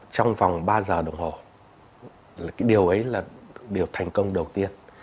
trong vòng ba giờ đồng hồ là cái điều ấy là điều thành công đầu tiên